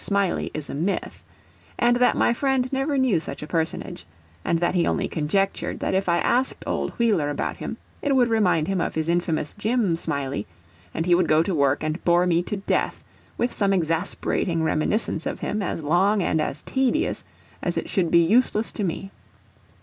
_ Smiley is a myth; and that my friend never knew such a personage; and that he only conjectured that if I asked old Wheeler about him, it would remind him of his infamous Jim Smiley, and he would go to work and bore me to death with some exasperating reminiscence of him as long and as tedious as it should be useless to me.